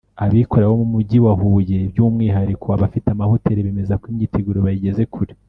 Abikorera bo mujyi wa Huye by’umwihariko abafite amahoteli bemeza ko imyiteguro bayigeze kure